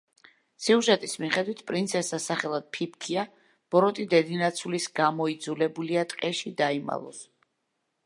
სიუჟეტის მიხედვით, პრინცესა სახელად „ფიფქია“ ბოროტი დედინაცვლის გამო იძულებულია ტყეში დაიმალოს.